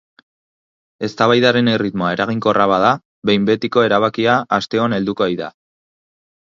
Eztabaidaren erritmoa eraginkorra bada, behin betiko erabakia asteon helduko ei da.